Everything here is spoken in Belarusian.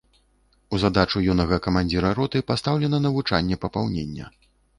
У задачу юнага камандзіра роты пастаўлена навучанне папаўнення.